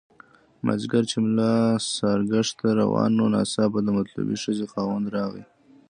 مازیګر چې ملا ساراګشت ته روان وو ناڅاپه د مطلوبې ښځې خاوند راغی.